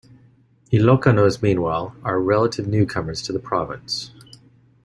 Ilocanos meanwhile, are relative newcomers to the province.